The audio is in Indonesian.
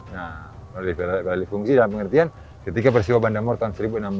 nah beralih fungsi dalam pengertian ketika bersiwa banda murtan seribu enam ratus dua puluh satu